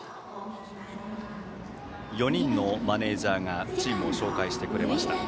４人のマネージャーがチームを紹介してくれました。